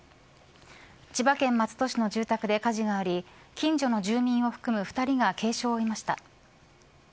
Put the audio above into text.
千葉県松戸市の住宅で火事があり近所の住民を含む２人が軽傷を負いました。